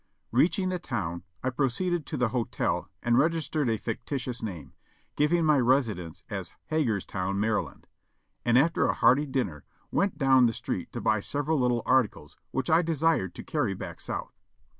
Reaching the town I proceeded to the hotel and registered a fictitious name, giving my residence as Hagerstown, Maryland; and after a hearty dinner went down the street to buy several little articles which I desired to carry back South.